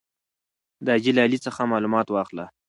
د حاجي لالي څخه معلومات واخله.